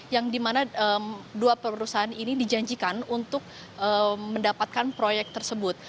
yang dimana dua perusahaan ini dijanjikan untuk mendapatkan proyek tersebut